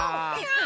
ああ。